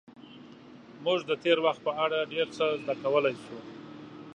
موږ د تېر وخت په اړه ډېر څه زده کولی شو.